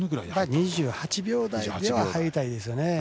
２８秒台で入りたいですね。